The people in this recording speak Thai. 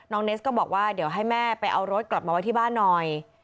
เนสก็บอกว่าเดี๋ยวให้แม่ไปเอารถกลับมาไว้ที่บ้านหน่อย